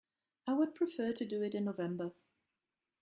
I would prefer to do it in November.